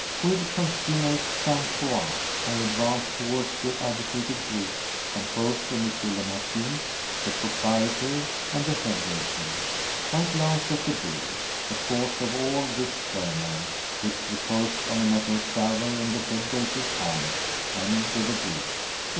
With consummate sang froid, I advanced towards the agitated group composed of M. le Marquis, the proprietor, and the head waiter. I glanced at the bill, the cause of all this turmoil, which reposed on a metal salver in the head waiter's hand, and with a brief: "If M.